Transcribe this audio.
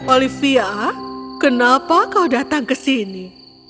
olivia kenapa kau datang ke sini